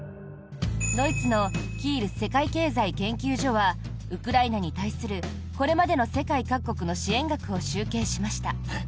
ドイツのキール世界経済研究所はウクライナに対するこれまでの世界各国の支援額を集計しました。